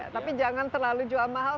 tapi jangan terlalu jual mahal